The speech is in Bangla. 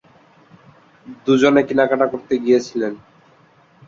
দুজনে কেনাকাটা করতে গিয়েছিলেন।